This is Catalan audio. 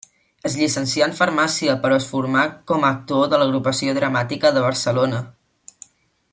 Es llicencià en farmàcia però es formà com a actor a l'Agrupació Dramàtica de Barcelona.